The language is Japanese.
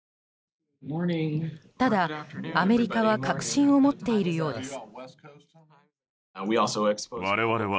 ただ、アメリカは確信を持っているようです。